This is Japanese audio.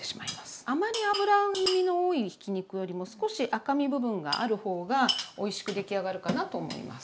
あまり脂身の多いひき肉よりも少し赤身部分がある方がおいしく出来上がるかなと思います。